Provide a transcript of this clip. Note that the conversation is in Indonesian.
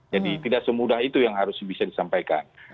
jadi tidak semudah itu yang harus bisa disampaikan